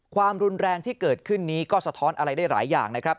ความรุนแรงที่เกิดขึ้นนี้ก็สะท้อนอะไรได้หลายอย่างนะครับ